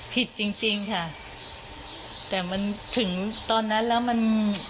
ผิดจริงจริงค่ะแต่มันถึงตอนนั้นแล้วมัน